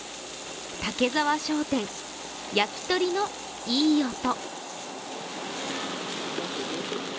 竹沢商店、焼き鳥のいい音。